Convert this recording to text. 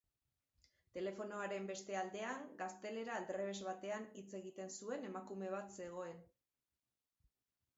Telefonoaren beste aldean gaztelera aldrebes batean hitz egiten zuen emakume bat zegoen.